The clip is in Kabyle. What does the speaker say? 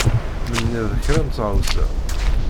Menni-d kra n tɣawsa.